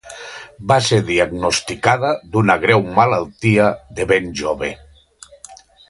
Va ser diagnosticada d’una greu malaltia de ben jove.